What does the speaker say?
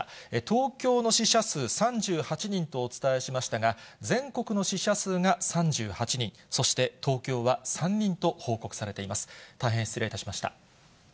東京の死者数３８人とお伝えしましたが、全国の死者数が３８人、そして東京は３人と報告されています。